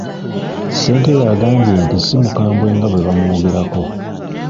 Ssentebe agambye nti ssi mukambwe nga bwe bamwogerako.